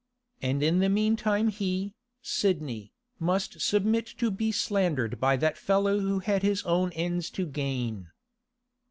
And in the meantime he, Sidney, must submit to be slandered by that fellow who had his own ends to gain.